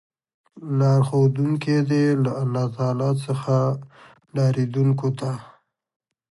لار ښودونکی دی له الله تعالی څخه ډاريدونکو ته